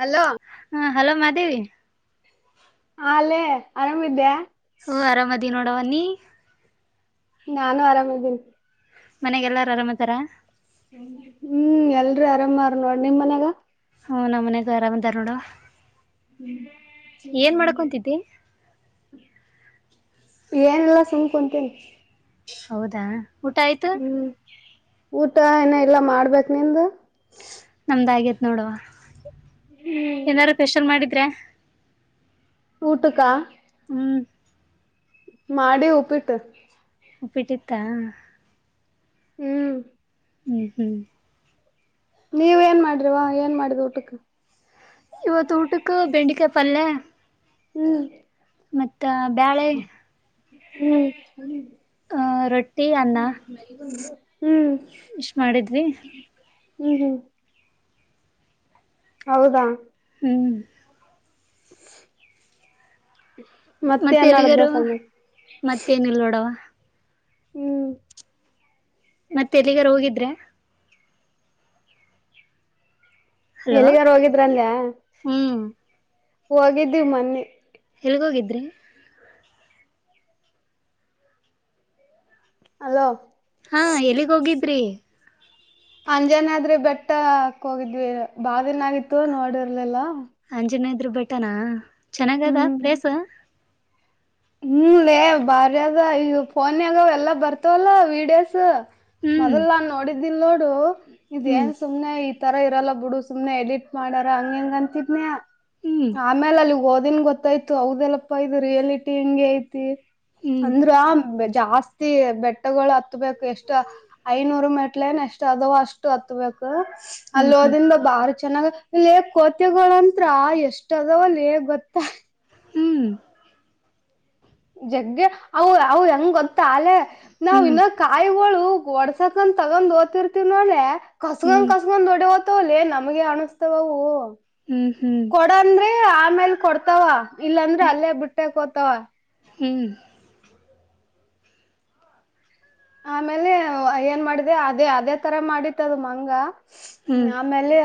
Hello ಹ hello Madevi. ಹ ಅಲ್ಲೇ ಆರಾಮಿದ್ಯೆ. ಹ ಆರಾಮದಿ ನೋ ಮನಿ ನಾನು ಆರಾಮ್ದೇನಿ. ಮನೆಗೆಲ್ಲಾರು ಆರಾಮ್ಅದರ. ಹ್ಮ್ ಎಲ್ರ ಆರಾಮಾರ್ ನೋಡ್ ನಿಮ್ ಮನ್ಯಾಗ. ಹ್ಮ್ ನಮ್ಮನೆಗೆ ಆರಾಮ್ಇದರ್ ನೋಡ್ ಹ್ಮ್ ಚ ಚೌ [unintelligible] ಏನೆಲ್ಲಾ ಸುಮ್ಕ ಕುಂತೀನಿ. ಹೌದಾ ಊಟ ಆಯ್ತು. ಹ್ಮ್ ಊಟ ಏನ್ ಎಲ್ಲಾ ಮಾಡ್ಬೇಕ್ ನಿಂದ್ ನಮ್ದ್ ಆಗೇತ್ ನೋಡುವ. ಏನಾರ್ ಸ್ಪೆಷಲ್ ಮಾಡಿದ್ರೆ. ಊಟುಕಾ ಹ್ಮ್ ಮಾಡಿ ಉಪ್ಪಿಟ್ಟ. ಉಪ್ಪಿಟ್ಟಿತ್ತಾ. ಹ್ಮ್. ಹ್ಮ್ ಹ್ಮ್. ನೀವ ಏನ್ ಮಾಡ್ರವಾ ಏನ್ ಮಾಡಿದ ಊಟಕ್ಕ. ಇವತ್ತ ಊಟಕ್ಕ ಬೆಂಡಿಕಾಯಿ ಪಲ್ಯ. ಹ್ಮ್ ಮತ್ತ ಬ್ಯಾಳೆ. ಹ್ಮ್ ಹ್ಮ್ ಆ [unintelligible] ಇಷ್ಟ್ ಮಾಡಿದ್ವಿ ಹ್ಮ್ ಹ್ಮ ಹೌದಾ ಹ್ಮ. ಮತ್ತೆ ಮತ್ತ ಏನ್ ನಡ್ದ ಎಲಿಗರು ಸಮಯ ಮತ್ತೇನಿಲ್ ನೋಡವ. ಹ್ಮ್ ಮತ್ತ ಎಲ್ಲಿಗಾರ ಹೋಗಿದ್ರೆ. ಹಲೋ ಎಲ್ಲಿಗಾರು ಹೋಗಿದ್ರಲ್ಯ. ಹ್ಮ್ ಹೋಗಿದ್ವಿ ಮನ್ನೆ. ಎಲ್ ಹೋಗಿದ್ರಿ. ಅಲೋ ಹಾ ಎಲ್ಲಿಗ್ ಹೋಗಿ ದ್ರಿ. ಅಂಜಾನಾದ್ರಿ ಬೆಟ್ಟ ಕ ಹೋಗಿದ್ವಿ ಬಾಳ ದಿನ ಆಗಿತ್ತು ನೋಡಿರ್ಲಿಲ್ಲಾ. ಅಂಜನ ಇದ್ರು ಬೆಟ್ಟನಾ. ಚೆನ್ನಾಗದಾ ಪ್ಲೇಸ. ಹ್ಮಲೇ ಬಾರಿ ಅದ ಈಗ ಫೋನ್ಯಾಗ ಎಲ್ಲಾ ಬರ್ತವಲ್ಲ ವೀಡಿಯೋಸ್. ಹ್ಮ್ ಮೊದಲ್ ನಾನ್ ನೋಡಿ ಇಲ್ ನೋಡು ಇದ್ ಹ್ಮ್ ಏನ್ ಸುಮ್ನೆ. ತರ ಇರಲ್ಲ ಬಿಡು ಸುಮ್ನೆ ಎಡಿಟ್ ಮಾಡಾರ ಹಂಗ್ ಹಿಂಗ್ ಅಂತಿದ್ನ್ಯ. ಹ್ಮ್ ಆಮೇಲೆ ಅಲ್ಲಿಗ್ ಹೋದ್ ನ್ ಗೊತ್ತಾಯ್ತು ಹೌದಲ್ಲಪ್ಪಾ ಇದು ರಿಯಲಿ ಟಿ ಇಂಗೆ ಐತಿ. ಹ್ಮ್ ಅಂದ್ರು ಆ ಬೆ ಜಾಸ್ತಿ ಬೆಟ್ಟಗೊಳ್ ಹತ್ತಬೇಕು ಎಷ್ಟು ಐನೂರು ಮೆಟ್ಲೆನ್ ಎಷ್ಟ್ ಅದು ಅಷ್ಟು ಹತ್ತಬೇಕು. ಹ್ಮ್ ಹ್ಮ್ ಅಲ್ಲೊದಿಂದ ಬಾರ್ ಚೆನ್ನಾಗ ಲ್ಲೇ ಕೋತಿಗಳಂತ್ರ ಎಷ್ಟ ಅದಾವ ಲೇ ಗೊತ್ತಾ? ಹ್ಮ್ ಜಗ್ಗೆ ಅವು ಅವು ಹೆಂಗ್ ಗೊತ್ತ ಅಲೇ ನಾವ್ ಹ್ಮ್ ಇನ್ನ ಕಾಯಿಗೊಳು ವು ಹೊಡ್ಸಕಂತ್ ತಗೊಂಡ್ ಓತಿರ್ತಿವಿ ನೋಡ್ಲೆ ಕಸ್ಗನ್ ಹ್ಮ್ ಕಸ್ಗೊಂಡ್ ಓಡೆ ಓ ತೊ ಲೆ ನಮಗೆ ಅಣಗ್ಸ್ತವವು. ಹ್ಮ್ ಹ್ಮ್ ಕೊಡಂದ್ರೆ ಆ ನ್ನೊಂದ್ ಕೊಡ್ತಾವ ಇಲ್ಲಾಂದ್ರೆ ಅಲ್ಲೇ ಬಿಟ್ಟಾಕ್ ಹೋತಾವ. ಹ್ಮ್ ಆಮೇಲೆ ಏನ್ಮಾಡಿದೆ ಅದೇ ಅದೇ ತರ ಮಾಡಿತ್ತದು ಮಂಗ. ಹ್ಮ್ ಆಮೇಲೆ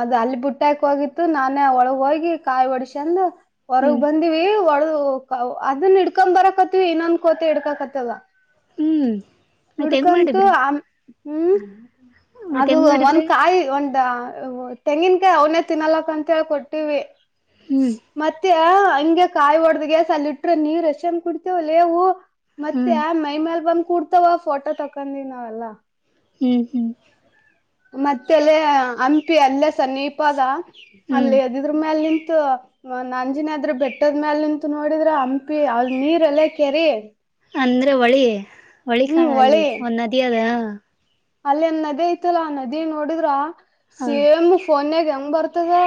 ಅದು ಅಲ್ಲಿ ಬುಟ್ಟಾಕ್ ಹೋಗಿತ್ತು ನಾನೇ ಒಳಗೆ ಹೋಗಿ ಕಾಯಿ ಹೊಡಿಸಂದು ಹೊರಗ್ ಹ್ಮ್ ಬಂದಿವಿ ಒಳ ತು ಕೌ ಅದನ್ ಹಿಡ್ಕೊ ಬರಕಂತ್ವಿ ಇನ್ನೊಂದ್ಕೋತಿ ಇಡ್ಕಕತ್ತವ. ಹ್ಮ್ ಮತ್ತೆ ಹೆಂಗ್ ಹಿಡ್ಕಂತು ಮಾಡಿದ್ರಿ ಆ ಹ್ಮ್ ಮತ್ತೆ ಅದು ಹೆಂಗ್ ಮಾಡಿದ್ರಿ ಒಂದ್ಕಾಯಿ ಒಂದ್ ದ ಓ ತೆಂಗಿನ್ಕಾಯಿ ಅವನೇ ತಿನ್ನಲಕ್ಕ ಅಂತೇಳಿ ಕೊಟ್ಟಿವಿ. ಹ್ಮ್ ಆ ಹಿಂಗೆ ಕಾಯಿ ಹೊಡ್ದಗೆಸ್ ಅಲ್ ಇಟ್ರ ನೀರ್ ಎಶ್ಚನ್ ಕುಡಿತಾವಲ್ಲೇವು. ಮತ್ತೆ ಹ್ಮ್ ಆ ಮೈಮ್ಯಾಲ್ಬಂಬಂ ತವಾ ಫೋಟೋ ತಕೊಂಡ್ವಿ ನಾವೆಲ್ಲ. ಹ್ಮ್ ಹ್ಮ್ ಮತ್ತೆಲೇ ಹಂಪಿ ಅಲ್ಲೆ ಚನ್ನೀಪದ ಹ್ಮ್ ಅಲ್ಲಿ ಅದಿದ್ರ್ಮ್ಯಾಲ್ ನಿ ತು ಆಂಜಿನಾದ್ರಿ ಬೆಟ್ಟದ್ಮ್ಯಾಲ್ ನಿಂತ್ ನೋಡಿದ್ರೆ ಹಂಪಿ ಅಲ್ ನೀರಲ್ಲ ಕೆರಿ. ಅಂದ್ರೆ ಹೊಳಿ. ಹೊಳಿಕಾಣ್ ಅಲ್ಲಿ ಒಂದ್ ನದಿ ಅದ ಅಲ್ಲಿ ಅಂದ್ ನದಿ ಐತಲ್ಲ ಆ ನದಿ ನೋಡಿದ್ರ ಹಾ ಕೇಮ್ ಫೋನೇಗ್ ಹೆಂಗ್ ಬರ್ತದ್ ಹ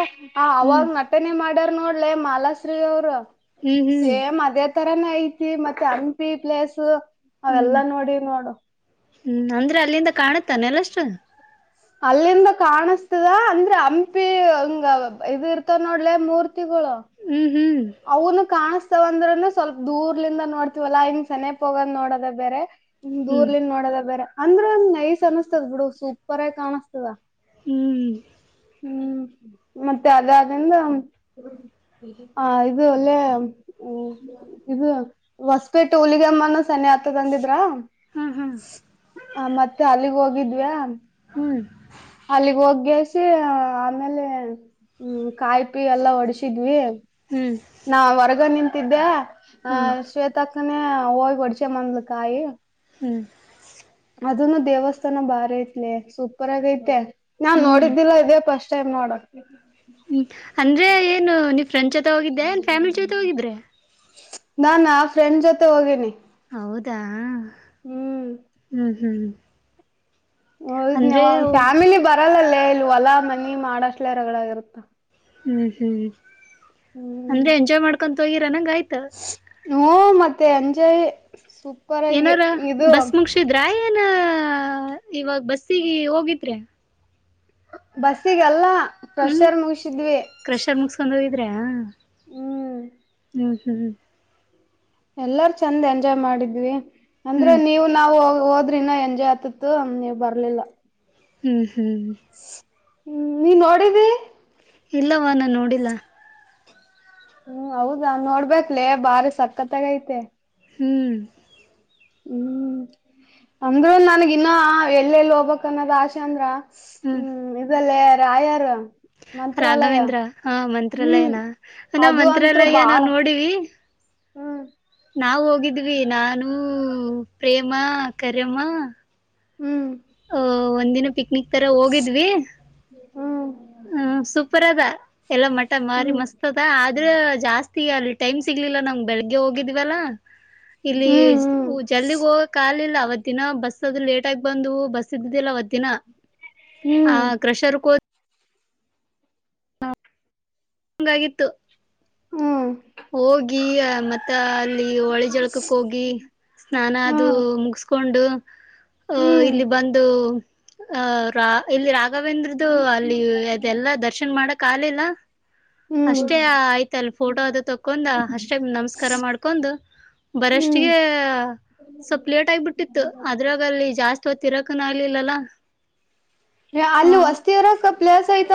ಹ್ಮ್ ಅವಾಗ್ ನಟನೆ ಮಾಡಿ ಆಡರ್ ನೋಡ್ಲೆ ಮಾಲಾಶ್ರೀ ಅವ್ರು ಹ್ಮ್ ಹ್ಮ್ ಸೇಮ್ ಅದೇ ತರಾನ್ ಐತಿ ಮತ್ತೆ ಹಂಪಿ ಪ್ಲಸ್ ಹ್ಮ್ ಅವೆಲ್ಲಾ ನೋಡಿ ನೋಡು. ಹ್ಮ್ ಅಂದ್ರೆ ಅಲ್ಲಿಂದ ಕಾಣ ತಾನಲ್ಲ ಅಷ್ಟ್ ಅಲ್ಲಿಂದ್ ಕಾಣಸ್ತದ ಅಂದ್ರೆ ಹಂಪಿ ಹಂಗ್ ಇದ್ ಇರ್ತ ನೋಡ್ಲೆ ಮೂರ್ತಿ ಹ್ಮ್ ಹ್ಮ್ ಅವ್ನು ಕಾಣ್ಸ್ತವಂದ್ರೇನು ಸ್ವಲ್ಪ ದೂರ್ಲಿಂದ್ ನೋಡ್ತಿವಲ್ಲಾ ಹಿಂಗ್ ಸೆನೆಪ್ ಹೋಗದ್ ನೋಡದ್ ಬೇರೆ ಹ್ಮ್ ದೂರ್ಲಿನ್ ನೋಡೋದೆ ಬೇರೆ ಅಂದ್ರ ಒಂದ್ ನೈಸ್ ಅನಸ್ತದ ಬಿಡು ಸೂಪರ್ ಆಗಿ ಕಾಣಸ್ತದ. ಹ್ಮ್ ಹ್ಮ್ ಮತ್ತ್ ಅದಾದಿಂದ್ ಇದು ಅಲ್ಲೇ ಇದು ಹೊಸಪೇಟ್ಟೆ ಹುಲಿಗೆಮ್ಮನ್ ಸನಿ ಆತದ್ ಅಂದಿದ್ರಾ. ಹಾ ಹಾ ಆ ಮತ್ತೆ ಅಲ್ಲಿಗ್ ಹೋಗಿದ್ವಾ. ಹ್ಮ್ ಅಲ್ಲಿಗ್ ಹೋಗ್ ಗೇಸಿ ಆಮೇಲೆ ಹ್ಮ ಕಾಯಿ ಪಿ ಎಲ್ಲಾ ಹೊಡ್ಸಿದ್ವಿ. ಹ್ಮ್ ನಾ ಹೊರಗ್ ನಿಂತ ತಿದ್ದ ಹ ಹ್ಮ್ ಶ್ವೇತಾ ಅವಾಗ್ ಒಡಿಸ್ಕೆ ಬಂದ್ಲು ಕಾಯಿ. ಹ್ಮ್ಞ ಅದನ್ನು ದೇವಸ್ಥಾನ ಬಾರಿ ಐತ್ಲಿ ಸೂಪರ್ ಆಗೈತೆ. ನಾನ್ ಹ್ಮ್ ನೋಡಿದ್ದಿಲ್ಲಾ ಇದ್ಯಪ್ಪ ಫಸ್ಟ್ ಟೈಮ್ ನೋಡೋ ಹ್ಮ್ ಅಂದ್ರೆ ಏನು ನೀವ್ ಫ್ರೆಂಡ್ ಜೊತೆ ಹೋಗಿದ್ದೆನ್ ಫ್ಯಾಮಿಲಿ ಜೊತೆ ಹೋಗಿದ್ರೆ. ನಾನ್ ಆ ಫ್ರೆಂಡ್ ಜೊತೆ ಹೋಗೇನಿ. ಹೌದಾ ಹ್ಮ್ ಹ್ಮ್. ಅಂದ್ರೆ ಹೋಗಿದ್ನಿವ್ಯಾ ಫ್ಯಾಮಿಲಿ ಬರಲ್ಲಲ್ಲೆ. ಇಲ್ ಹೊಲಾ ಮನಿ ಮಾಡಷ್ಟಲೇ ರಗಡಗರುತ್ತ. ಹ್ಮ್ ಹ್ಮ್ ಹ್ಮ್ ಅಂದ್ರೆ ಎಂಜಾಯ್ ಮಾಡ್ಕೊ ಹೋಗಿರನಂಗ್ ಆಯ್ ತ. ಹ್ಮ್ ಮತ್ತೆ ಎಂಜಾಯ. ಏನಾರ ಬಸ್ ಮುಗಶಿದ್ರಾ ಇ. ಏನ ಇವಾಗ ಬಸ್ಸಿಗಿ ಹೋಗಿದ್ರಾ. ಬಸ್ಸಿಗೆ ಅಲ್ಲಾ. ಕ್ರಷಾರ್ ಮುಗಿಸಿದ್ವಿ. ದ್ರ್ಯಾ ಹ್ಮ್ ಹ್ಮ ಹ್ಮ್ ಎಲ್ಲಾರು ಚಂದ ಎಂಜಾಯ್ ಮಾಡಿದ್ವಿ. ಅಂದ್ರ ಹ್ಮ್ ನೀವು ನಾವು ಹೋಗ ಹೋದ್ರ ಇನ್ನ ಎಂಜಾಯ್ ಆತಿತ್ತು ನೀವ ಬರ್ಲಿಲ್ಲಾ. ಹ್ಮ್ ಹ್ಮ್ ಹ್ಮ್ ನೀ ನೋಡದಿ ಇಲ್ಲವಾ ನಾ ನೋಡಿಲ್ಲಾ. ಹ್ಮ್ ಹೌದನ್ ನೋಡ್ಬೇಕಕ್ಲೇ ಬಾರಿ ಸಕ್ಕತ್ತಾಗೈತೆ. ಹ್ಮ್ ಹ್ಮ್ ಅಂದ್ರು ನನ್ಗ ಇನ್ನ ಎಲ್ಲೆಲ್ಲಿ ಹೋಗ್ಬಕ್ ಅನ್ನೋದ್ ಆಸೆ ಅಂದ್ರಾ. ಹ್ಮ್ ಇದೆಲ್ಲೆ. ರಾಯಾರ. ರಾಘವೇಂದ್ರ ಹ ಹ್ಮ್ ಮಂತ್ರಾಲಯನ ನಾವ್ ಅದು ಅಂತ್ರು ಮಂತ್ರಾಲಯ ನಾವ ಬಾಳ ನೋಡಿ. ಹ್ಮ್ ನಾವು ಹೋಗಿದ್ವಿ ನಾನೂ ಪ್ರೇಮಾ ಕರಿಯಮ್ಮಾ. ಹ್ಮ್. ಒ ಒಂದಿನ. ಪಿಕ್ನಿಕ್ ತರ ಹೋಗಿದ್ವಿ ಹ್ಮ್ ಹ್ಮ್ ಸೂಪರದ ಎಲ್ಲ ಮಟ ಮಾರಿ ಹ್ಮ್ ಮಸ್ತ್ದ ಆದ್ರ ಜಾಸ್ತಿ ಅಲ್ಲಿ ಟೈಮ್ ಸಿಗ್ಲಿಲ್ಲ ನಮ್ಗೆ ಬೆಳಿಗ್ ಹೋಗಿದ್ವಲ ಇಲ್ಲಿ ಹ್ಮ್ ಜಲ್ದಿ ಹೋಗಕ್ ಆಗ್ಲಿಲ್ಲ. ಅವತ್ ದಿನ ಬಸ್ ಅದು ಲೇಟಾಗಿ ಬಂದ್ವು ಬಸ್ ಇದ್ದುದಿಲ್ಲ ಅವತ್ ದಿನ ಹ ಹ್ಮ್ ಹ್ಮ್ ಕ್ರಷರ್ ಕೋ ಹ [unintelligible] ಹಂಗಾಗಿತ್ತು. ಹ್ಮ ಹೋಗಿ ಮತ್ತ ಅಲ್ಲಿ ಹೊಳಿ ಜಳಕಕ್ ಹೋಗಿ ಸ್ನಾನ ಅದು ಮುಗಸ್ ಕೊಂಡು ಹ ಹ್ಮ್ ಇಲ್ಲಿ ಬಂದು ಹ ರಾ ಇಲ್ಲಿ ಆ ರಘವೇಂದ್ರದು ಅಲ್ಲಿ ಅದೆಲ್ಲಾ ದರ್ಶನ್ ಮಾಡಕ್ ಕೆಲೆಲ್ಲಾ ಹ್ಮ್ ಹ್ಮ್ ಅಷ್ಟೇ ಆಯ್ತ್ ಅಲ್ ಫೋಟೋ ಅದು ತಕೊಂದ ಅಷ್ಟೇ ನಮಸ್ಕಾರ ಮಾಡ್ಕೊಂಡ್ ಹ್ಮ್ ಬರಷ್ಟಿಗೆ ಸ್ವಲ್ ಲೇಟ್ ಆಗಬಿಟ್ಟಿತ್ತು ಅದ್ರಗ ಅಲ್ಲಿ ಜಾಸ್ತಿ ತಿರಕನ ಆಲಿಲ್ಲಾಲ ಎ ಅಲ್ಲಿ ವಸ್ತಿ ಇರೋಸ್ವ ಪ್ಲೇಸ್ ಆಯ್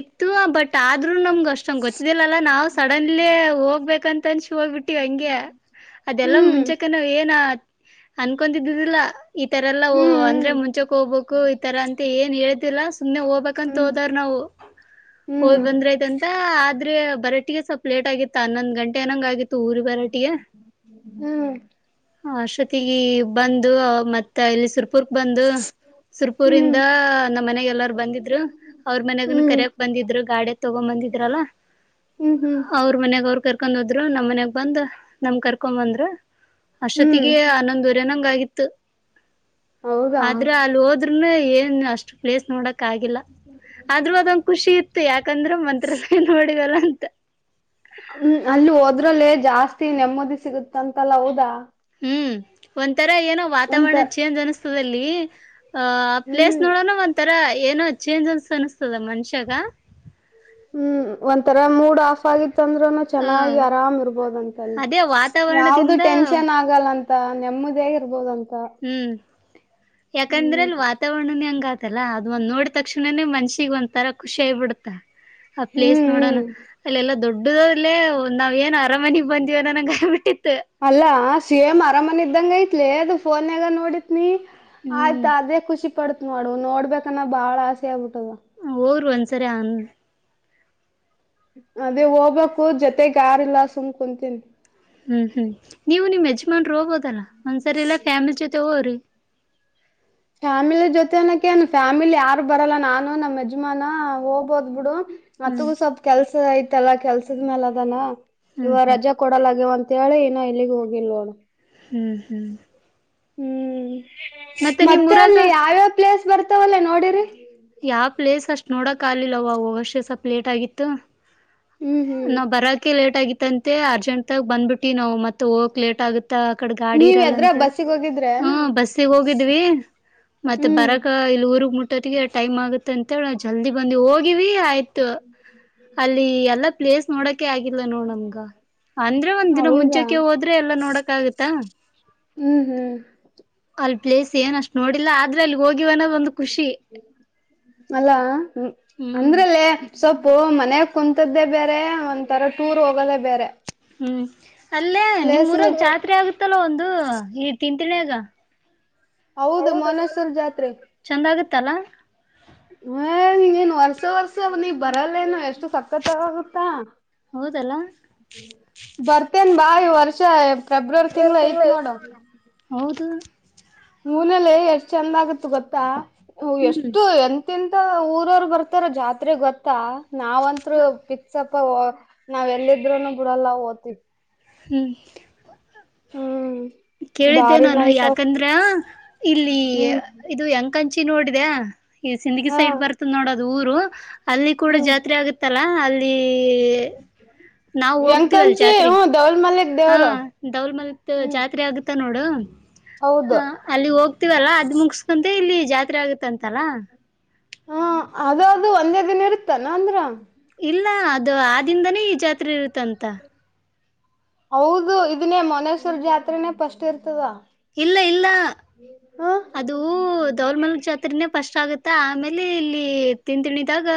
ಇತ್ತು ಆ ಬಟ್ ಟಾದು ನಮ್ಗೆ ಅಷ್ಟೊ ಗೊತ್ತಿದಿಲ್ಲಲ್ಲ ನಾವು ಸಡನ್ಲಿ ಹೋಗ್ಬೇಕ ತಂಶ್ ಹೋಗ್ಬಿಟ್ಟಿವ ಹಂಗೆ ಅದೆಲ್ಲ ಹ್ಮ್ ಮುಂಚಕನ ಏನ ಅನ್ಕೊದಿದ್ದುದಿಲ್ಲ ಈ ತರ ಎಲ್ಲ ಓ ಅಂದ್ರೆ ಹ್ಮ್ ಮುಂಚೆಕ್ಕೆ ಹೋಗ್ಬೇಕು ಈತರ ಅಂತ ಏನ್ ಹೇಳುದಿಲ್ಲ ಸುಮ್ನೆ ಹೋಗ್ಬೇಕಂತ ಹ್ಮ್ ಹೋದೋರ್ ನಾವು. ಹ್ಮ್ ಹೋಗ್ ಬಂದ್ರ ಆಯ್ತಂತ ಆದ್ರೆ ಬರಟಿ ಸ್ವಲ್ ಲೇಟ್ ಆಗಿತ್ತು ಹನ್ನೊಂದ್ ಗಂಟೆ ಏನಂಗ ಆಗೀತ್ ತೂರು ಬರಟಿಗ್ಯಾ ಹ್ಮ್ ಹಷ್ಟೊತ್ತಿಗೆ ಬಂದು ಮತ್ತೆ ಇಲ್ಲಿ ಸುರ್ ಸುರ್ಪುರ್ ಬಂದು ಸುರ್ಪುರಿಂದ ಹ್ಮ್ ಹ್ಮ್ ಹ್ಮ್ ನಮ್ಮ್ ಮನೆಗೆ ಎಲ್ಲಾರ್ ಬಂದಿದ್ರು ಅವ್ರ ಮನಾಗ್ ಕರಕ್ ಬಂದಿದ್ರು ಗಾಡ ತಗೊಂಡ್ ಬಂದಿದ್ರಲ್ಲ ಹ್ಮ್ ಹ್ಮ್ ಹ್ಮ್ ಹ್ಮ್ ಅವ್ರ ಮನೇಗ್ ಅವ್ರ ಕರ್ ಕರ್ಕೊಂಡ್ ಹೋದ್ರು ನಮ್ಮ್ನಯಾಗ್ ಬಂದ್ ನಮ್ ಕರ್ಕೊ ಬಂದ್ರು. ಹ್ಮ್ ಅಷೊತ್ತಿಗೆ ಆನೊಂದ್ವರನಂಗ್ ಆಗಿತ್ತು. ಹೌದಾ ಆದ್ರೆ ಅಲ್ಲಿ ಹೋದ್ರೂನು ಏನ್ ಅಷ್ಟ್ ಪ್ಲೇಸ್ ನೋಡ್ ಆಗಿಲ್ಲ ಆದ್ರೂ ಅದ್ ಖುಷಿ ಇತ್ತ್ ಯಾಕಂದ್ರೆ ಮಂತ್ರ ನೋಡಿ ಅಂತ್ ಹ್ಮ್ ಅಲ್ಲಿ ಹೋದ್ರಲ್ಲೇ ಜಾಸ್ತಿ ನೆಮ್ಮದಿ ಸಿಗುತ್ತ್ ಅಂತಲ್ಲ ಹೌದಾ. ಹ್ಮ್ ಒ ತರ ಏನೋ ಒಂತ ವಾತಾವರಣ ಚೇಂಜ್ ಅನಿಸತದೆ ಅಲ್ಲಿ ಆ ಪ್ಲೇಸ್ ಹ್ಮ್ ನೋಡೋಣ ಒಂತ್ರ ಏನೋ ಚೇಂಜ್ ಅನ್ಸ ಅನಸ್ತದ ಮನ್ಷ್ಯಾಗ ಹ್ಮ್ ಒಂಥರ ಮೂಡ್ ಆಫ್ ಆಗಿತ್ತ್ ತಂದ್ರೂನು ಹ ಚೆನ್ನಾಗಿ ಆರಾಮ್ ಇರ್ಬೋದಂತ ಅಲ್ಲಿ ಅದೇ ಯಾವ್ದ ವಾತಾವರಣದಿಂದ ಟೆನ್ಷನ್ ಆಗಲ್ಲಂತ. ನೆಮ್ಮದಿ ಯಾಗ್ ಇರ್ಬಹದುಂತ್ ಹ್ಮ್ ಯಾಕಂದ್ರೆ ಹ್ಮ್ ಅಲ್ಲಿ ವಾತಾವರಣನೇ ಹಂಗ್ ಆದ್ ಅಲ್ಲಾ ಅದ್ ಒಂದ್ ನೋಡಿದ್ ತಕ್ಷಣ ನೇ ಮನ್ಷಿ ಸಿಗ್ ಒಂತರ ಖುಷಿಯೈ ಬಿಡ್ತಾ ಆ ಪ್ಲೇಸ್ ಹ್ಮ್ ನೋಡೋಣ ಹ್ಮ್ ಅಲ್ಲೆಲ್ಲಾ ದೊಡ್ಡ ಡ್ಡ ದಾದ್ಲೆ ನಾವ್ ಏನ್ ಅರಮನೆಗ್ ಬಂದಿವೇ ನನಂಗ್ ಆಗ್ ಬಿಟ್ಟಿತ್ತ ಅಲ್ಲಾ ಸೇಮ್ ಅರಮನೆ ಇದ್ದಂಗ್ ಐತ್ಲಿ ಅದು. ಫೋನ್ಯಾಗ್ ನೋಡತ್ನಿ ಆಯ್ತ್ ಹ್ಮ್ ಅದೇ ಖುಷಿ ಪಡತ್ ಮಾಡ್ ನೋಡ್ಬೇಕನ್ನ ಬಾಳ ಆಸೆ ಆಗ್ಬಿಟ್ಟದ ರ್ ಒಂದ್ಸರಿನ್ ಅದೇ ಹೋಗ್ಬೇಕು ಜೊತೆಗ್ ಯಾರಿಲ್ಲ ಸುಮ್ಕ್ ಕುಂತೀನಿ. ಹ್ಮ್ ಹ್ಮ್ ನೀವು ನಿಮ್ಮ್ ಯಜಮಾನ್ರು ಹೋಗೋದಲ್ಲಾ. ಒಂದ್ಸರಿ ಇಲ್ಲೆ ಫ್ಯಾಮಿಲಿ ಜೊತೆ ವೊರೀ. ಫ್ಯಾಮಿಲಿ ಜೊತೆನಕೇನ್ ಫ್ಯಾಮಿಲಿ ಯಾರು ಬರಲ್ಲಾ ನಾನು ನಮ್ಮ ಯಜಮಾನ ಹೋಗ್ಬೋದ್ ಬಿಡು. ಹ್ಮ್ ಮತ್ಗೂ ಸ್ವಲ್ಪ ಕೆಲ್ಸ ಐ ತಲ್ಲಾ ಕೆಲ್ಸದ ಮೇಲ್ ಅದಾನ. ಹ್ಮ್ ಇವಾ ಹ್ಮ್ ರಜಾ ಕೊಡಲಾಗಿವಂ ತ್ತಾಳೆ ಇನ್ನ್ ಎಲ್ಲಿಗು ಹೋಗಿಲ್ವೋಣ. ಹ್ಮ್ ಹ್ಮ್ ಹ್ಮ್ ಮತ್ತೆ ನಿಮ್ ಮತ್ತ ಊರಾಗ ಅಲ್ಲಿ ಯಾವ. ಪ್ಲೇಸ್ ಬರ್ತಾವಲ್ಲಾ ನೋಡಿರಿ. ಯಾ ಪ್ಲೇಸ್ ಅಷ್ ಟ್ ನೋಡೋ ಕಾಲಿಲ್ಲವವರ್ಷೆ ಸ್ವಲ್ಪ್ ಲೇಟ್ ಆಗಿತ್ತ. ಹ್ಮ್ ಹ್ಮ್ ನಾ ಬರಾಕೆ ಲೇಟ್ ಆಗಿತ್ ತ್ತಂತೆ ಅರ್ಜೆಂಟ್ ಆಗ ಬಂದ್ಬಿಟ್ಟಿ ನಾವ ಮತ್. ಮ ಹೋಗಕ್ ಲೇಟ್ ಆಗುತ್ತ ಆ ಕಡೆ ಗಾಡಿ ನೀವ್ ಇರಲ್ಲ ಎದ್ರ ಅಂತೇಳಿ ಬಸ್ಸಿಗೆ ಹೋಗಿದ್ರೆನ ಹ ಬಸ್ಸಿಗೆ ಹೋಗಿದ್ವಿ ಮತ್ತೆ ಹ್ಮ್ ಬರಕ ಇಲ್ಲಿ ಊರ್ಗ್ ಮುಟ್ ಒತ್ತಿಗೆ ಟೈಮ್ ಆಗುತ್ತೆ ಅಂತೇಳಿ ನಾವು ಜಲ್ದಿ ಬಂದ್ ಹೋಗಿವಿ ಆಯ್ [inaudible] ಪ್ಲೆಸ್ ನೋಡಕ್ ಕ್ಕೆ ಆಗಿಲ್ಲ ನೋಡಮ್ಗ ಅಂದ್ರೆ ಒಂದ್ ದಿನ ಹೌದಾ ಮುಂಚಕ್ಕೆ ಹೋದ್ರೆ ಎಲ್ಲಾ ನೋಡಕ್ ಆಗತ್ತಾ. ಹ್ಮ್ ಹ್ಮ್ ಅಲ್ ಪ್ಲೇಸ್ ಏನ್ ಅಷ್ಟ್ ನೋಡಿಲ್ಲಾ ಆದ್ರ ಅಲು. ಹೋಗಿವನ ಒಂದ ಖುಷಿ. ಅಲ್ಲಾ ಹ್ಮ್ ಹ್ಮ್ ಅಂದ್ರಲ್ಲೇ ಸೊಪ್ಪು ಮನ್ಯಾಗ್ ಕುೂಂತದ್ದೆ ಬ್ಯಾರೆ ಒಂಥರ ಟೂರ್ ಹೋಗೋದೇ ಬೇರೆ. ಹ್ಮ. ಅಲ್ಲೇ ಪ್ಲೇಸ್ಗಳು ನಿಮ್ಮ್ಊರಾಗ ಜಾತ್ರೆ ಆಗುತ್ತಲ್ಲ ಒಂದು ಈ ತಿ ತಿಳಗ ಹೌದು ಮನಸೂರ್ ಜಾತ್ರೆ ತಲಾ. ಹ ನೀನೇನ್ ವರ್ಷಾ ವರ್ಷಾ ನೀ ಬರಲ್ಲೇನು ಎಷ್ಟು ಸಕ್ಕತ್ತಾಗಿ ಆಗುತ್ತಾ ಹೌದಲ್ಲ ಬರತೆನ. ಬಾ ಈ ವರ್ಷಾ. ಫೆಬ್ರರಿ ತಿಂಗ್ಳು ಐತ್ ನೋಡು. ಹೌದು ಹೂನಲೆ ಎಷ್ಟ್ ಚಂದ ಆಗತ್ತು ಗೊತ್ತಾ. ಹ ಹ್ಮ್ ಎಷ್ಟು ಎ ತ್ತಂತ ಊರವರು ಬರ್ತಾರ ಜಾತ್ರೆಗೊತ್ತಾ. ನಾವಂತ್ರು ಫಿಕ್ಸಪ್. ಕವು ನಾವೆಲ್ಲಿದ್ರೂನು ಬಿಡಲ್ಲ ಹೋತಿವಿ. ಹ್ಮ್ ಹ್ಮ್ ಕೇಳ್ದೆ ಬಾರಿ ನಾನು ನೈಸ್ ಯಾಕಂದ್ರ ಇಲ್ಲಿ ಹ್ಮ್ ಇದು ಯಂಕಂಚಿ ನೋಡ್ದ್ಯಾ ಇಲ್ ಸಿಂದ್ಗಿ ಹಾ ಸೈಡ್ ಬರ್ತ ನೋಡದ್ ದೂರು. ಅಲ್ಲಿ ಕೂಡ ಹ್ಮ್ ಜಾತ್ರೆ ಆಗತ್ತಲ್ಲ ಅಲ್ಲಿ ನಾವು ಹೋಗ್ತಿವಲ್ ಎಂಕಂಚೌ ಹುಂ ಜಾತ್ರೆಗೆ ದೌಲ್. ಮಲ್ಲಿಕ್ ಹಾ ದೇವ್ರು ದೌಲ್ಮಲ್ತು ಹ್ಮ್ ಜಾತ್ರೆ ಆಗುತ್ತಾ ನೋಡ್ ಡು ಹೌದು ಹ ಅಲ್ಲಿ ಹೋಗ್ತೀವಲ್ಲ ಅದ್ ಮುಗಸ್ಕಂದು ಇಲ್ಲಿ ತ್ರ ಆಗತ್ತಂತಲ್ಲ. ದು ಒಂದೇ ದಿನ ಇರುತ್ತಾನ ಅಂದ್ರ. ಇಲ್ಲ ಅದು ಆದಿಂದನೇ ಈ ಜಾತ್ರೆ ಇರುತ್ತಂತ. ಹೌದು ಇದನ್ನೇ ಮೊನಸೂರ್ ಜಾತ್ರನೇ ಫಸ್ಟ್ ಇರ್ತದ. ಇಲ್ಲ ಇಲ್ಲ ಹ ಅದು ದೌಲ್ಮಲ್ ಜಾತ್ರನೇ ಫಸ್ಟ್ ಆಗು ತ್ತ ಆಮೇಲೆ ಇಲ್ಲಿ ತಿನ್ತಿಣಿದಾಗ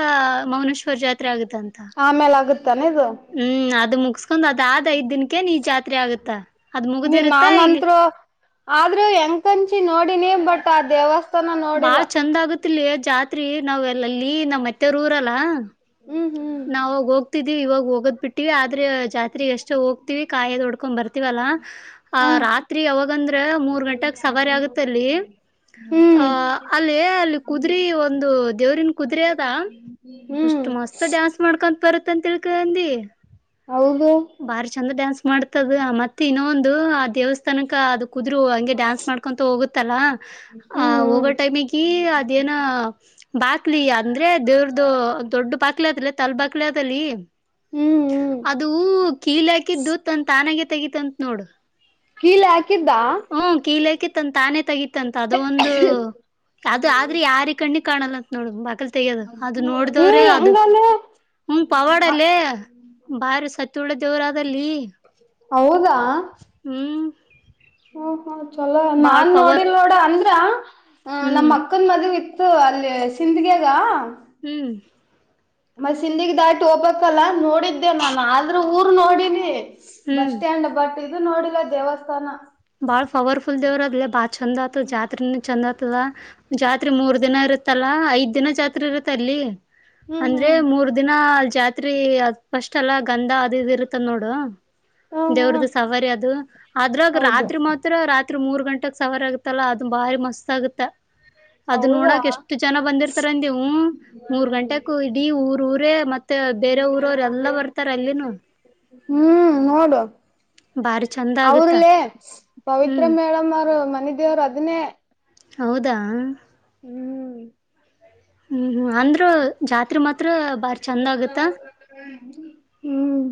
ಮೌನೇಶ್ ವರ್ ಜಾತ್ರೆ ಆಗತ್ತಂತ. ಆಮೇಲ್ ಆಗುತ್ತಾನ ಇದು ಹ್ಮ್ ಅದು ಮುಗ್ ಕೊಂಡ್ ಅದ್ ಆದ್ ಐದ್ ದಿನಕ್ಕೆ ನೀ ಜಾತ್ರೆ ಆಗುತ್ತ ಅದ್ ನೀನ್ ಮುಗ್ದಿರುತ್ತ ಇಲ್ಲಿ ನಾನ್ಂತ್ರು ಡೀನಿ ಬಟ್ ಆ ದೇವಸ್ ಥಾನ ನೋಡಿಲ್ಲ. ತ್ತಿಲ್ಲಿ ಜಾತ್ರಿ ನಾವ್ ಎಲ್ಲಲ್ಲಿ ನಮ್ಮ್ ಮತ್ತೆರೂರಲ್ಲ ಹ್ಮ ಹ್ ನಾವಾಗೋಗ್ತಿದ್ವಿ ಇವಾಗ ಹೋಗೋದ್ ಬಿಟ್ಟ್ವಿ ಆದ್ರೆ ಜಾತ್ರಿಗ್ ಅಷ್ಟೇ ಹೋಗ್ ತ್ವಿ ಕಾಯದೋಡ್ಕೊಂಡ್ ಬರ್ತವಲ್ಲ ಆ ಹ ರಾತ್ರಿ ಅವಾಗಂದ್ರೆ ಮೂರ್ ಗಂಟೆಗ್ ಸವಾರಿ ಆಗತ್ತಲ್ಲಿ ಹ ಹ್ಮ್ ಅಲ್ಲಿ ಅಲ್ಲಿ ಕುದ್ರಿ ಒಂದು ದೇವ್ರಿನ್ ಕುದ್ರಿ ಅದ ಹ್ಮ್ ಎಷ್ಟು ಮಸ್ತ್ ಮಾಡ್ಕೊಂತ್ ಬರತಂತ್ ತಿಳ್ಕೋ ಅಂದಿ. ಹೌದು ಬಾರಿ ಚಂದ್ ಡ್ಯಾನ್ಸ್ ಮಾಡ್ತದ್ ಮತ್ತ್ ಇನ್ನೊಂದು ಆ ದೇವಸ್ಥಾನಕ್ಕೆ ಅದ್ ಕುದುರು ಹಂಗೆ ಡ್ಯಾನ್ಸ್ ಮಾಡ್ಕೊಂತ ಹೋಗುತ್ತಲ್ಲ ಆ ಹ್ಮ್ ಹೋಗೋ ಹ್ಮ್ ಟೈಮಗಿ ಅದೇನ್ ಬಕ್ಲಿ ಅಂದ್ರೆ ದೇವ್ರ್ದು ದೊಡ್ಡ ಪಾತ್ರ ತಲ್ ಬಕ್ಲ್ ಅಲ್ಲಿ ಹ್ಮ್ ಹ್ಮ್ ಅದು ಕೀಲಿ ಹಾಕಿದ್ದು ತಂದ್ ತಾನಾಗಿ ತೆಗೀತಂತತ್ ನೋಡ್ ಹಲ್ಲಾ [inaudible] ಹ್ಮ ಕೀಲಕಿ ತನ್ ತಾನೇ ತಗೀತಂತ ಅದು ಒಂದು ಅದು ಆದ್ರೆ ಯಾರಿ ಕಣ್ಣಿ ಕಾಣಲ್ಲಂತ ನೋಡ ಬಕಲ್ ತೆಗಿಯೋದು ಅದು ಹ್ಮ ನೋಡ್ದವ್ರೆ ಅದು ಹೆಂಗಲ್ಲ ಹ್ಮ ಪವಾಡಲ್ಲೇ ಬಾರಿ ಸತ್ತ್ ಉಳ್ದ ಶಿವರಾಜ್ ದಲ್ಲಿ ಹೌದಾ ಹ್ಮ್ ಹ್ಮ ಹ್ಮ ಚಲೋ ಬಾಳ್ ನಾನ್ ಪವರ್ ನೋಡಿಲ್ ನೋಡ್ ಅಂದ್ ಆ ಹ್ ನಮ್ಮ್ ಹ್ಮ್ ಮಕ್ಕನ್ ಮದುವೆ ಇತ್ತು ಅಲ್ಲಿ ಸಿಂದಗ್ಯಾಗ್ ಹ್ಮ್ ಮ ಸಿಂದಿಗ್ ದಾಟಿ ಹೋಗ್ಬಕಲ ನೋಡಿದ್ದೆ ನಾನ್ ಆದ್ರ ಊರ್ ನೋಡಿನಿ. ಬಸ್ ಹ್ಮ್ ಸ್ಟ್ಯಾಂಡ್ ಬಟ್ ಇದು ನೋಡಿಲ್ಲ ದೇವಸ್ಥಾನ. ಬಾಳ್ ಪವರ್ಫುಲ್ ದೇವರ್ ಲೆ ಬಾ ಛಂದತ್ ಜಾತ್ರೆನು ಚಂದಾತದ್ ಜಾತ್ರೆ ಮೂರ್ ದಿನ ಇರುತ್ತಲ್ಲಾ ಐದ್ ದಿನ ಜಾತ್ರೆ ಇರುತ್ತ್ ಅಲ್ಲಿ. ಹ್ಮ್ ಅಂದ್ರೆ ಹ್ಮ್ ಮೂರ್ ದಿನ ಜಾತ್ರಿ ಅ ಫಸ್ಟ್ ಅಲ್ಲ ಗಂಧ ಅದು ಇದ್ ಇರುತ್ತದ ನೋಡು. ಹ್ಮ್ ದೇವ್ರ್ದ ಹ್ಮ್ ಸವಾರಿ ಅದು ಅದ್ರಾಗ್ ಹೌದು ರಾತ್ರಿ ಮಾತ್ರ ರಾತ್ರಿ ಮೂರ್ ಗಂಟೆಗೆ ಸವಾರ ಆಗುತ್ತಲ್ಲ ಅದ್ ಭಾರಿ ಮಸ್ತ್ ಆಗುತ್ತ್. ಅದು ಹೌದಾ ನೋಡಕ್ ಎಷ್ಟ್ ಜನ ಬಂದಿರ್ತಾರಂದಿವು ಮೂರ್ ಗಂಟೆಕೂ ಇಡೀ ಊರ್ ಊರೇ ಮತ್ತೆ ಬೇರೆ ಊರವ್ರ ಎಲ್ಲ ಬರ್ತಾರ್ ಅಲ್ಲಿನೂ. [unintelligible] ಹೌದ್ಲೇ ಪವಿತ್ರ ಹ್ಮ್ ಮೇಡಮ್ ಅವ್ರು ಮನೆ ದೇವ್ರು ಅದನೇ. ಹೆ ಹೌದ ಹ್ಮ್ ಹ್ಮ್ ಹ್ಮ್ ಅಂದ್ರ ಜಾತ್ರ ಮತ್ ತ್ರ ಬಾರ್ ಚಂದ ಆಗತ್ತ ಹ್ಮ್